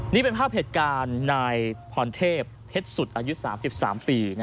นี่เป็นภาพเหตุการณ์นายพรเทพเพชรสุดอายุ๓๓ปี